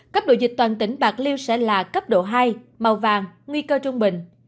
cấp độ dịch toàn tỉnh bạc liêu sẽ là cấp độ hai màu vàng nguy cơ trung bình